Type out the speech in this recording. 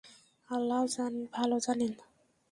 আল্লাহ্ ভালো জানেন।